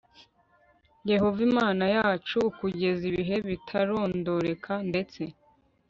yehova imana yacu u kugeza ibihe bitarondoreka ndetse